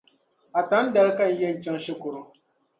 Atani dali ka n yεn chaŋ shikuru.